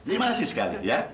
terima kasih sekali ya